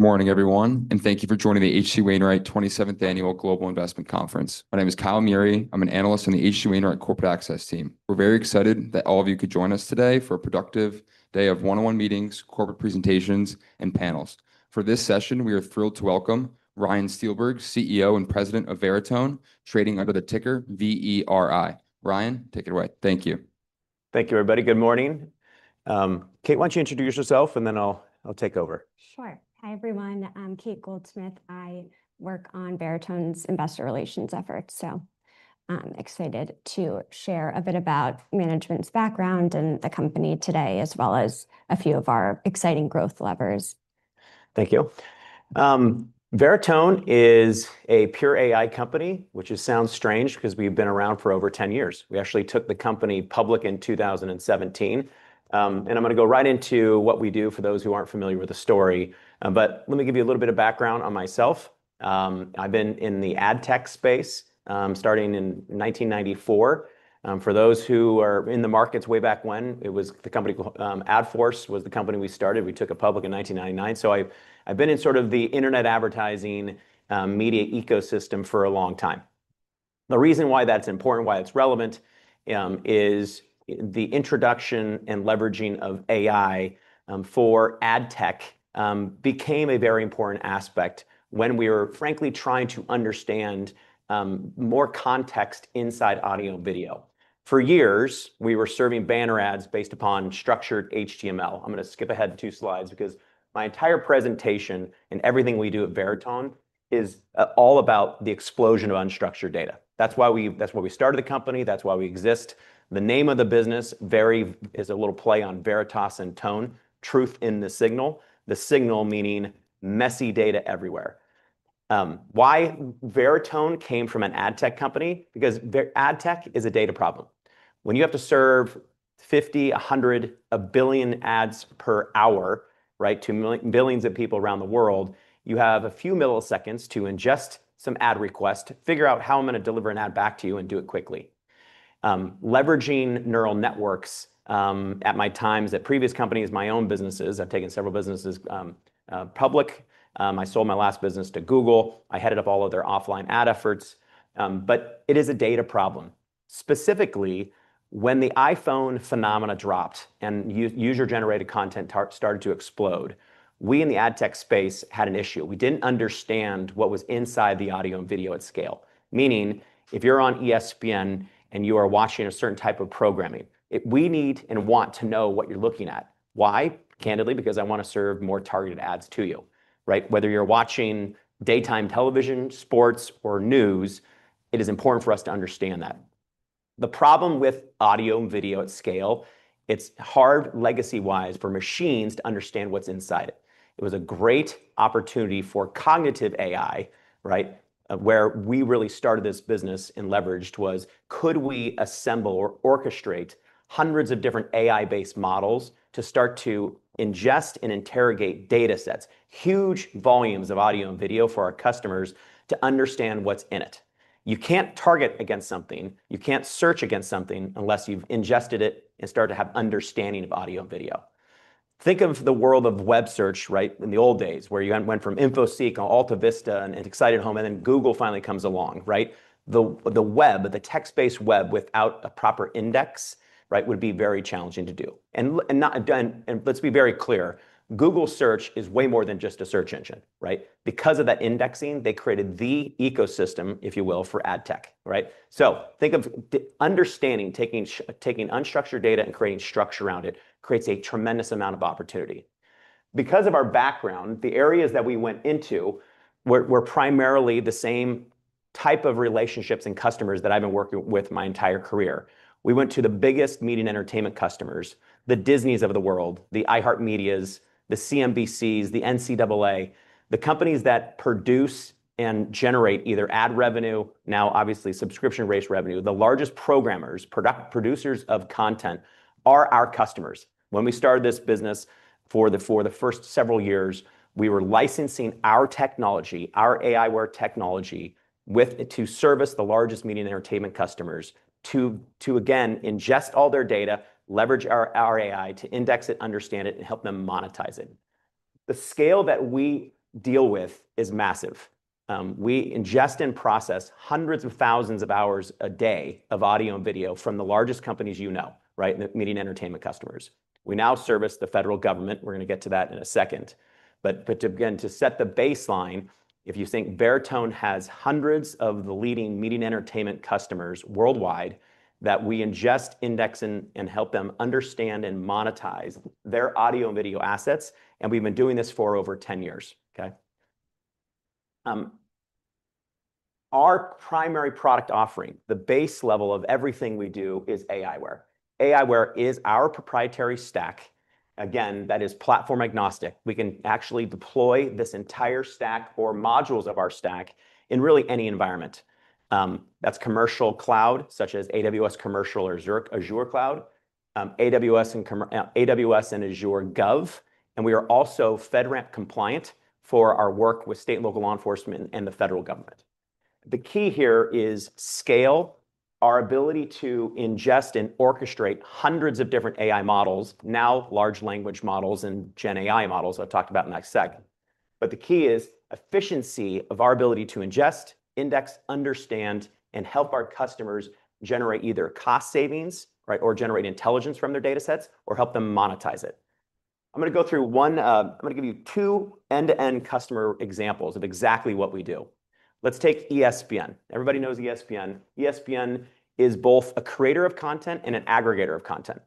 Morning, everyone, and thank you for joining the H.C. Wainwright 27th Annual Global Investment Conference. My name is Kyle Mieri. I'm an analyst on the H.C. Wainwright Corporate Access team. We're very excited that all of you could join us today for a productive day of one-on-one meetings, corporate presentations, and panels. For this session, we are thrilled to welcome Ryan Steelberg, CEO and President of Veritone, trading under the ticker VERI. Ryan, take it away. Thank you. Thank you, everybody. Good morning. Kate, why don't you introduce yourself, and then I'll take over. Sure. Hi, everyone. I'm Kate Goldsmith. I work on Veritone's investor relations efforts, so I'm excited to share a bit about management's background and the company today, as well as a few of our exciting growth levers. Thank you. Veritone is a pure AI company, which sounds strange because we've been around for over 10 years. We actually took the company public in 2017. And I'm going to go right into what we do for those who aren't familiar with the story. But let me give you a little bit of background on myself. I've been in the ad tech space starting in 1994. For those who are in the markets way back when, it was the company AdForce was the company we started. We took it public in 1999. So I've been in sort of the internet advertising media ecosystem for a long time. The reason why that's important, why it's relevant, is the introduction and leveraging of AI for ad tech became a very important aspect when we were, frankly, trying to understand more context inside audio and video. For years, we were serving banner ads based upon structured HTML. I'm going to skip ahead two slides because my entire presentation and everything we do at Veritone is all about the explosion of unstructured data. That's why we started the company. That's why we exist. The name of the business is a little play on Veritas and tone, truth in the signal, the signal meaning messy data everywhere. Why Veritone came from an ad tech company? Because ad tech is a data problem. When you have to serve 50, 100, a billion ads per hour to millions of people around the world, you have a few milliseconds to ingest some ad request, figure out how I'm going to deliver an ad back to you, and do it quickly. Leveraging neural networks at my times at previous companies, my own businesses, I've taken several businesses public. I sold my last business to Google. I headed up all of their offline ad efforts. But it is a data problem. Specifically, when the iPhone phenomenon dropped and user-generated content started to explode, we in the ad tech space had an issue. We didn't understand what was inside the audio and video at scale. Meaning, if you're on ESPN and you are watching a certain type of programming, we need and want to know what you're looking at. Why? Candidly, because I want to serve more targeted ads to you. Whether you're watching daytime television, sports, or news, it is important for us to understand that. The problem with audio and video at scale, it's hard legacy-wise for machines to understand what's inside it. It was a great opportunity for cognitive AI, where we really started this business and leveraged, was could we assemble or orchestrate hundreds of different AI-based models to start to ingest and interrogate data sets, huge volumes of audio and video for our customers to understand what's in it. You can't target against something. You can't search against something unless you've ingested it and started to have an understanding of audio and video. Think of the world of web search in the old days, where you went from Infoseek and AltaVista and Excite@Home, and then Google finally comes along. The web, the text-based web without a proper index would be very challenging to do, and let's be very clear, Google Search is way more than just a search engine. Because of that indexing, they created the ecosystem, if you will, for ad tech. Think of understanding, taking unstructured data and creating structure around it creates a tremendous amount of opportunity. Because of our background, the areas that we went into were primarily the same type of relationships and customers that I've been working with my entire career. We went to the biggest media and entertainment customers, the Disneys of the world, the iHeartMedias, the CNBCs, the NCAA, the companies that produce and generate either ad revenue, now obviously subscription-based revenue. The largest programmers, producers of content, are our customers. When we started this business for the first several years, we were licensing our technology, our AIware technology, to service the largest media and entertainment customers to, again, ingest all their data, leverage our AI to index it, understand it, and help them monetize it. The scale that we deal with is massive. We ingest and process hundreds of thousands of hours a day of audio and video from the largest companies you know, media and entertainment customers. We now service the federal government. We're going to get to that in a second. But again, to set the baseline, if you think Veritone has hundreds of the leading media and entertainment customers worldwide that we ingest, index, and help them understand and monetize their audio and video assets, and we've been doing this for over 10 years. Our primary product offering, the base level of everything we do, is AIware. AIware is our proprietary stack. Again, that is platform agnostic. We can actually deploy this entire stack or modules of our stack in really any environment. That's commercial cloud, such as AWS Commercial or Azure Cloud, AWS and Azure Gov. We are also FedRAMP compliant for our work with state and local law enforcement and the federal government. The key here is scale, our ability to ingest and orchestrate hundreds of different AI models, now large language models and Gen AI models I've talked about in the next segment. But the key is efficiency of our ability to ingest, index, understand, and help our customers generate either cost savings or generate intelligence from their data sets or help them monetize it. I'm going to give you two end-to-end customer examples of exactly what we do. Let's take ESPN. Everybody knows ESPN. ESPN is both a creator of content and an aggregator of content.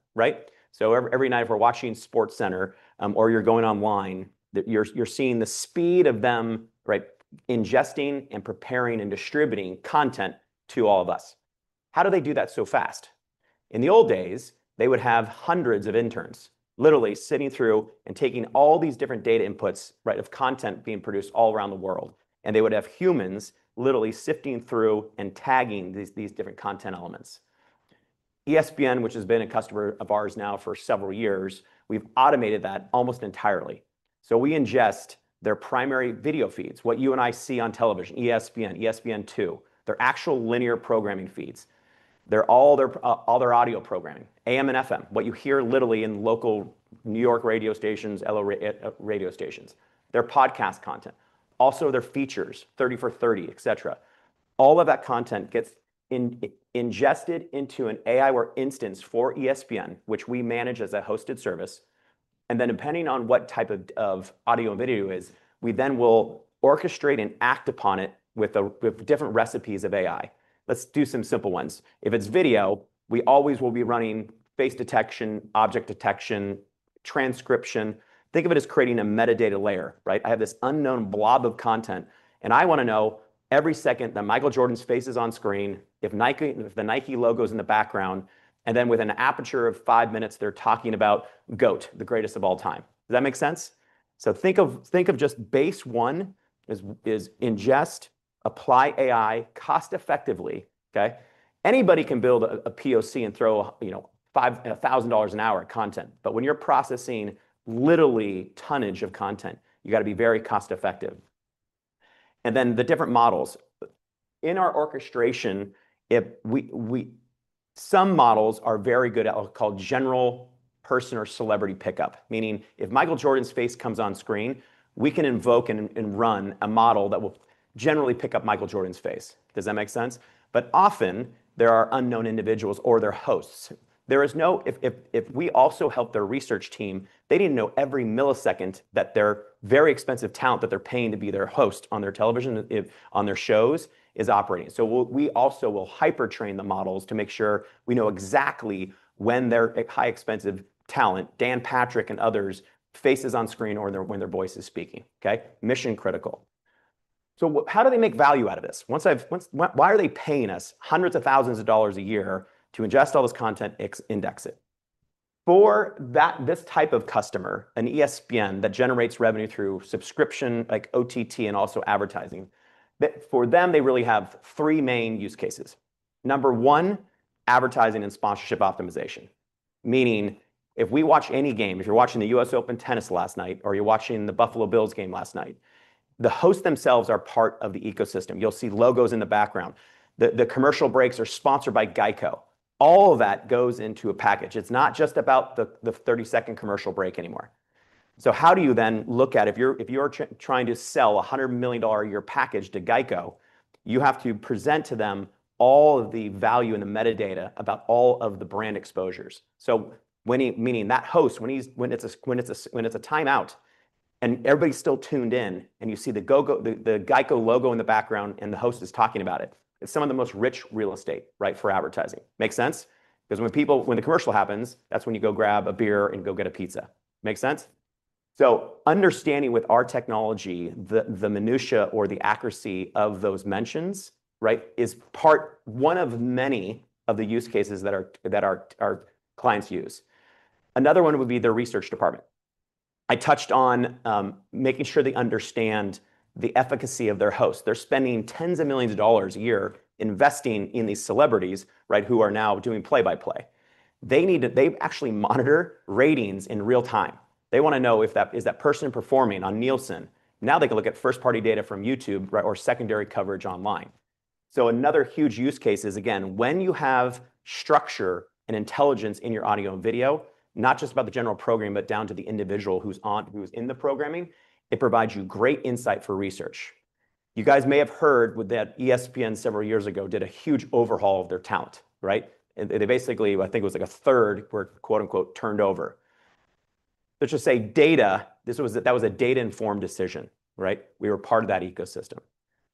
Every night if we're watching SportsCenter or you're going online, you're seeing the speed of them ingesting and preparing and distributing content to all of us. How do they do that so fast? In the old days, they would have hundreds of interns literally sitting through and taking all these different data inputs of content being produced all around the world. And they would have humans literally sifting through and tagging these different content elements. ESPN, which has been a customer of ours now for several years, we've automated that almost entirely, so we ingest their primary video feeds, what you and I see on television, ESPN, ESPN2, their actual linear programming feeds, all their audio programming, AM and FM, what you hear literally in local New York radio stations, LA radio stations, their podcast content, also their features, 30 for 30, et cetera. All of that content gets ingested into an aiWARE instance for ESPN, which we manage as a hosted service. And then depending on what type of audio and video it is, we then will orchestrate and act upon it with different recipes of AI. Let's do some simple ones. If it's video, we always will be running face detection, object detection, transcription. Think of it as creating a metadata layer. I have this unknown blob of content, and I want to know every second that Michael Jordan's face is on screen, if the Nike logo is in the background, and then with an aperture of five minutes, they're talking about GOAT, the greatest of all time. Does that make sense? So think of just base one is ingest, apply AI cost-effectively. Anybody can build a POC and throw $1,000 an hour of content. But when you're processing literally tonnage of content, you got to be very cost-effective. And then the different models. In our orchestration, some models are very good at what's called general person or celebrity pickup, meaning if Michael Jordan's face comes on screen, we can invoke and run a model that will generally pick up Michael Jordan's face. Does that make sense? But often, there are unknown individuals or their hosts. If we also help their research team, they didn't know every millisecond that their very expensive talent that they're paying to be their host on their television, on their shows, is operating. So we also will hypertrain the models to make sure we know exactly when their highly expensive talent, Dan Patrick and others, faces on screen or when their voice is speaking. Mission critical. So how do they make value out of this? Why are they paying us hundreds of thousands of dollars a year to ingest all this content, index it? For this type of customer, an ESPN that generates revenue through subscription, like OTT and also advertising, for them, they really have three main use cases. Number one, advertising and sponsorship optimization. Meaning, if we watch any game, if you're watching the US Open tennis last night or you're watching the Buffalo Bills game last night, the hosts themselves are part of the ecosystem. You'll see logos in the background. The commercial breaks are sponsored by Geico. All of that goes into a package. It's not just about the 30-second commercial break anymore. So how do you then look at it? If you're trying to sell a $100 million a year package to Geico, you have to present to them all of the value and the metadata about all of the brand exposures. So meaning that host, when it's a timeout and everybody's still tuned in and you see the Geico logo in the background and the host is talking about it, it's some of the most rich real estate for advertising. Makes sense? Because when the commercial happens, that's when you go grab a beer and go get a pizza. Makes sense? So understanding with our technology, the minutiae or the accuracy of those mentions is part one of many of the use cases that our clients use. Another one would be the research department. I touched on making sure they understand the efficacy of their host. They're spending tens of millions of dollars a year investing in these celebrities who are now doing play-by-play. They actually monitor ratings in real time. They want to know if that person performing on Nielsen. Now they can look at first-party data from YouTube or secondary coverage online. So another huge use case is, again, when you have structure and intelligence in your audio and video, not just about the general programming, but down to the individual who's in the programming, it provides you great insight for research. You guys may have heard that ESPN several years ago did a huge overhaul of their talent. They basically, I think it was like a third were "turned over." Let's just say data, that was a data-informed decision. We were part of that ecosystem.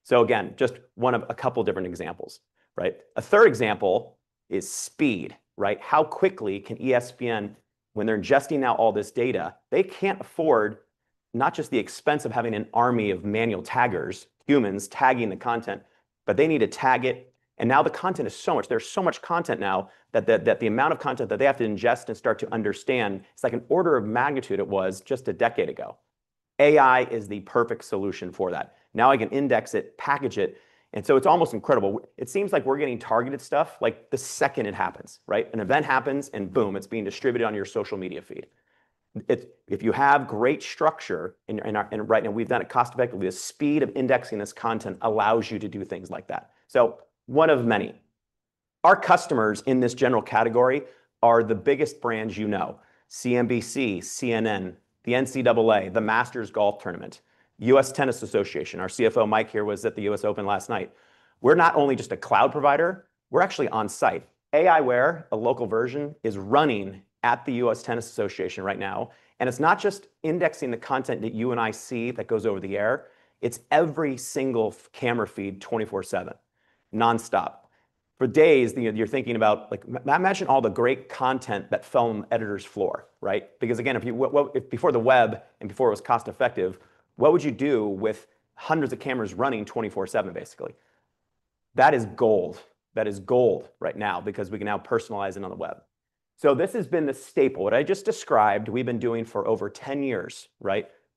So again, just one of a couple of different examples. A third example is speed. How quickly can ESPN, when they're ingesting now all this data, they can't afford not just the expense of having an army of manual taggers, humans tagging the content, but they need to tag it. And now the content is so much. There's so much content now that the amount of content that they have to ingest and start to understand, it's like an order of magnitude it was just a decade ago. AI is the perfect solution for that. Now I can index it, package it. And so it's almost incredible. It seems like we're getting targeted stuff the second it happens. An event happens and boom, it's being distributed on your social media feed. If you have great structure right now, we've done it cost-effectively. The speed of indexing this content allows you to do things like that. So one of many. Our customers in this general category are the biggest brands you know: CNBC, CNN, the NCAA, the Masters Tournament, United States Tennis Association. Our CFO, Mike, here was at the US Open last night. We're not only just a cloud provider. We're actually on-site. AIware, a local version, is running at the US Tennis Association right now. It's not just indexing the content that you and I see that goes over the air. It's every single camera feed 24/7, nonstop. For days you're thinking about. Imagine all the great content that fell on the editor's floor. Because again, before the web and before it was cost-effective, what would you do with hundreds of cameras running 24/7, basically? That is gold. That is gold right now because we can now personalize it on the web. This has been the staple. What I just described, we've been doing for over 10 years.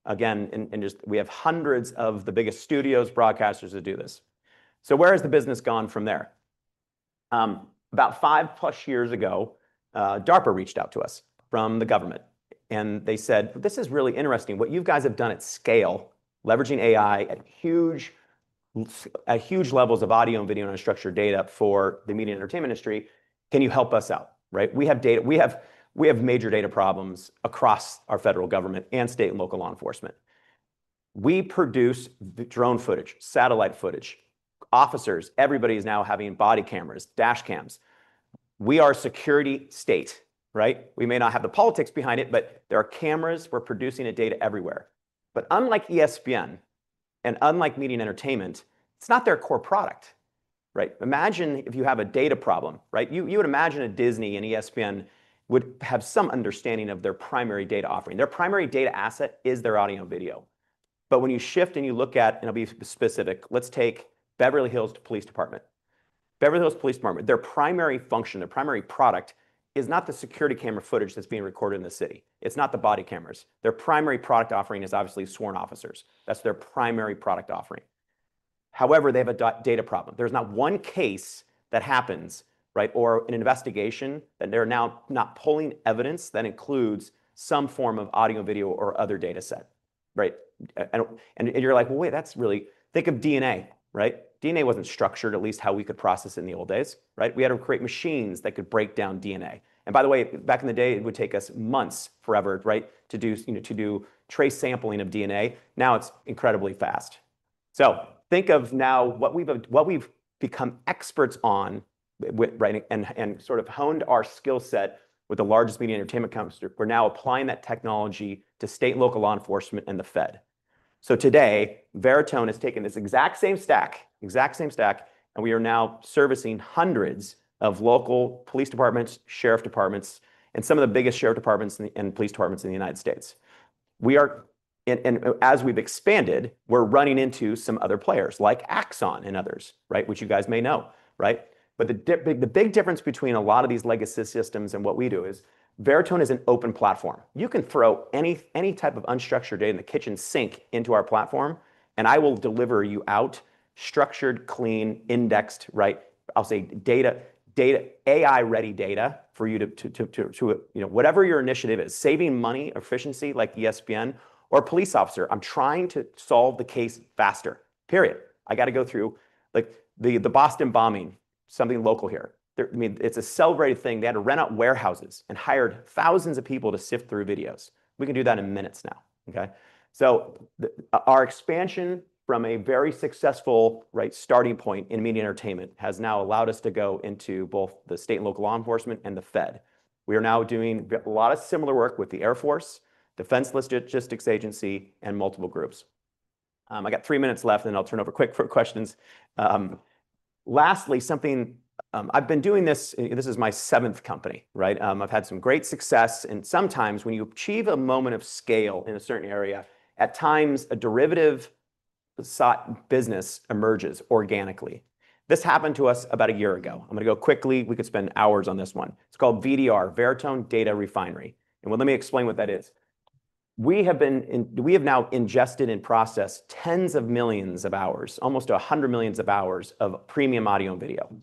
Again, we have hundreds of the biggest studios, broadcasters that do this. Where has the business gone from there? About five-plus years ago, DARPA reached out to us from the government. And they said, "This is really interesting. What you guys have done at scale, leveraging AI at huge levels of audio and video and unstructured data for the media and entertainment industry, can you help us out? We have major data problems across our federal government and state and local law enforcement. We produce drone footage, satellite footage. Officers, everybody is now having body cameras, dash cams. We are a security state. We may not have the politics behind it, but there are cameras. We're producing data everywhere. But unlike ESPN and unlike media and entertainment, it's not their core product." Imagine if you have a data problem. You would imagine a Disney and ESPN would have some understanding of their primary data offering. Their primary data asset is their audio and video. But when you shift and you look at, and I'll be specific, let's take Beverly Hills Police Department. Beverly Hills Police Department, their primary function, their primary product is not the security camera footage that's being recorded in the city. It's not the body cameras. Their primary product offering is obviously sworn officers. That's their primary product offering. However, they have a data problem. There's not one case that happens or an investigation that they're now not pulling evidence that includes some form of audio, video, or other data set. And you're like, "Well, wait, that's really" think of DNA. DNA wasn't structured, at least how we could process it in the old days. We had to create machines that could break down DNA. And by the way, back in the day, it would take us months forever to do trace sampling of DNA. Now it's incredibly fast. So think of now what we've become experts on and sort of honed our skill set with the largest media and entertainment companies. We're now applying that technology to state and local law enforcement and the Fed. So today, Veritone has taken this exact same stack, exact same stack, and we are now servicing hundreds of local police departments, sheriff departments, and some of the biggest sheriff departments and police departments in the United States. And as we've expanded, we're running into some other players like Axon and others, which you guys may know. But the big difference between a lot of these legacy systems and what we do is Veritone is an open platform. You can throw any type of unstructured data in the kitchen sink into our platform, and I will deliver you out structured, clean, indexed. I'll say AI-ready data for you to whatever your initiative is, saving money, efficiency like ESPN or a police officer. I'm trying to solve the case faster. Period. I got to go through the Boston bombing, something local here. I mean, it's a celebrated thing. They had to rent out warehouses and hired thousands of people to sift through videos. We can do that in minutes now. So our expansion from a very successful starting point in media and entertainment has now allowed us to go into both the state and local law enforcement and the Fed. We are now doing a lot of similar work with the Air Force, Defense Logistics Agency, and multiple groups. I got three minutes left, and then I'll turn over quick for questions. Lastly, something I've been doing this, this is my seventh company. I've had some great success, and sometimes when you achieve a moment of scale in a certain area, at times a derivative business emerges organically. This happened to us about a year ago. I'm going to go quickly. We could spend hours on this one. It's called VDR, Veritone Data Refinery. And let me explain what that is. We have now ingested and processed tens of millions of hours, almost 100 millions of hours of premium audio and video.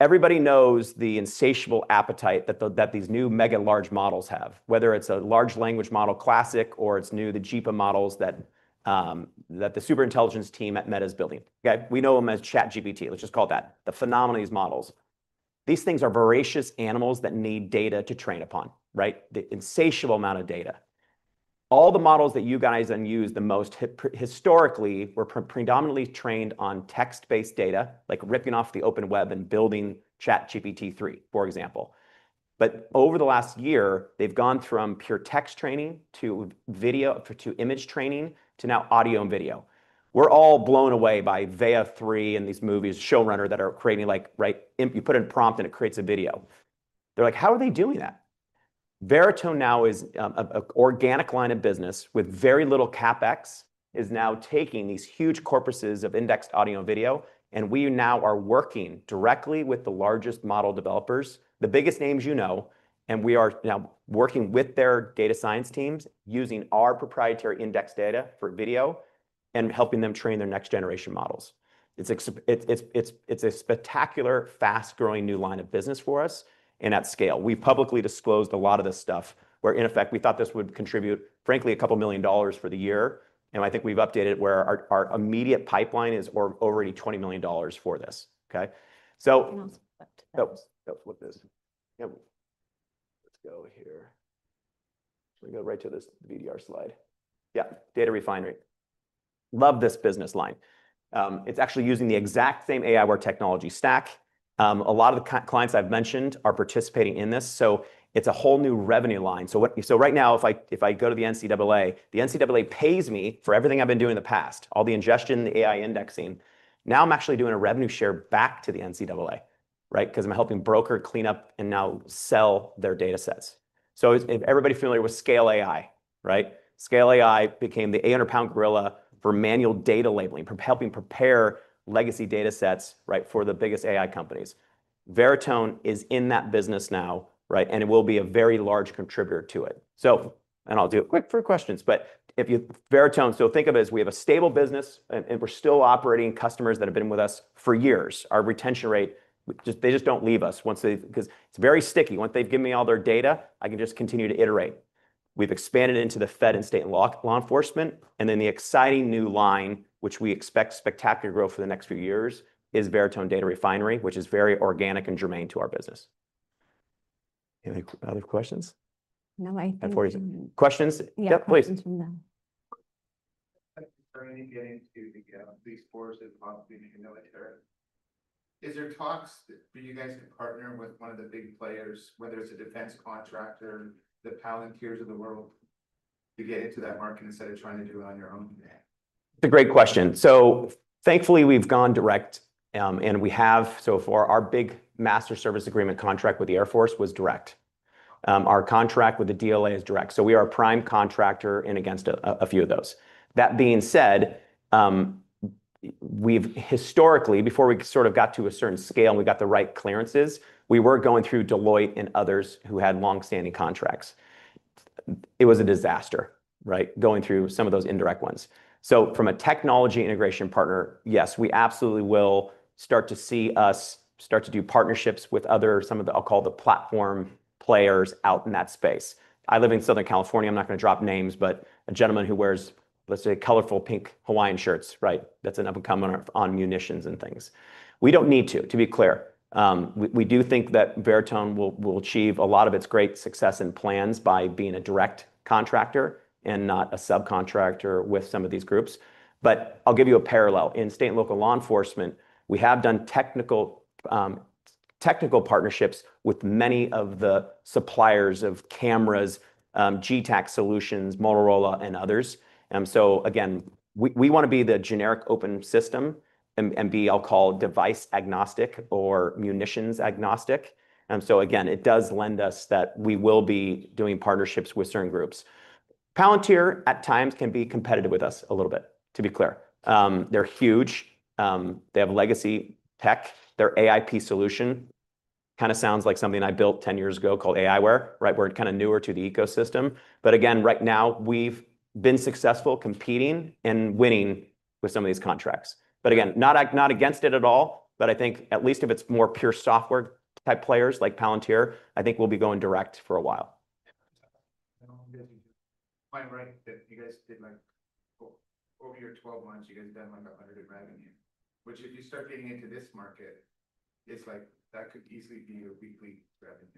Everybody knows the insatiable appetite that these new mega large models have, whether it's a large language model classic or it's new, the JEPA models that the superintelligence team at Meta is building. We know them as ChatGPT. Let's just call that the phenomenal models. These things are voracious animals that need data to train upon, the insatiable amount of data. All the models that you guys use the most historically were predominantly trained on text-based data, like ripping off the open web and building ChatGPT 3, for example. But over the last year, they've gone from pure text training to video, to image training, to now audio and video. We're all blown away by VEA 3 and these movies, Showrunner, that are creating like you put in a prompt and it creates a video. They're like, "How are they doing that?" Veritone now is an organic line of business with very little CapEx, is now taking these huge corpuses of indexed audio and video, and we now are working directly with the largest model developers, the biggest names you know, and we are now working with their data science teams using our proprietary index data for video and helping them train their next-generation models. It's a spectacular, fast-growing new line of business for us and at scale. We've publicly disclosed a lot of this stuff where, in effect, we thought this would contribute, frankly, a couple of million dollars for the year. And I think we've updated where our immediate pipeline is already $20 million for this. So let's go here. Let me go right to this VDR slide. Yeah, data refinery. Love this business line. It's actually using the exact same aiWARE technology stack. A lot of the clients I've mentioned are participating in this. So it's a whole new revenue line. So right now, if I go to the NCAA, the NCAA pays me for everything I've been doing in the past, all the ingestion, the AI indexing. Now I'm actually doing a revenue share back to the NCAA because I'm helping broker clean up and now sell their data sets. So everybody familiar with Scale AI? Scale AI became the 800-pound gorilla for manual data labeling, helping prepare legacy data sets for the biggest AI companies. Veritone is in that business now, and it will be a very large contributor to it. And I'll do it quick for questions. But Veritone, so think of it as we have a stable business, and we're still operating customers that have been with us for years. Our retention rate, they just don't leave us because it's very sticky. Once they've given me all their data, I can just continue to iterate. We've expanded into the Fed and state law enforcement. And then the exciting new line, which we expect spectacular growth for the next few years, is Veritone Data Refinery, which is very organic and germane to our business. Any other questions? No, I think that's it. Questions? Yep, please. How does the journey getting to the police force and possibly the military? Is there talks for you guys to partner with one of the big players, whether it's a defense contractor, the Palantirs of the world, to get into that market instead of trying to do it on your own? It's a great question. So thankfully, we've gone direct, and we have so far. Our big master service agreement contract with the Air Force was direct. Our contract with the DLA is direct. So we are a prime contractor and against a few of those. That being said, we've historically, before we sort of got to a certain scale and we got the right clearances, we were going through Deloitte and others who had long-standing contracts. It was a disaster going through some of those indirect ones. So from a technology integration partner, yes, we absolutely will start to see us start to do partnerships with some of the, I'll call the platform players out in that space. I live in Southern California. I'm not going to drop names, but a gentleman who wears, let's say, colorful pink Hawaiian shirts, that's an up-and-coming on munitions and things. We don't need to, to be clear. We do think that Veritone will achieve a lot of its great success and plans by being a direct contractor and not a subcontractor with some of these groups. But I'll give you a parallel. In state and local law enforcement, we have done technical partnerships with many of the suppliers of cameras, GTAC Solutions, Motorola, and others. So again, we want to be the generic open system and be, I'll call, device agnostic or munitions agnostic. So again, it does lend us that we will be doing partnerships with certain groups. Palantir at times can be competitive with us a little bit, to be clear. They're huge. They have legacy tech. Their AIP solution kind of sounds like something I built 10 years ago called AIware, where it's kind of newer to the ecosystem. But again, right now, we've been successful competing and winning with some of these contracts. But again, not against it at all, but I think at least if it's more pure software-type players like Palantir, I think we'll be going direct for a while. I'm guessing you guys did over your 12 months. You guys have done like 100 revenue, which if you start getting into this market, it's like that could easily be a weekly revenue.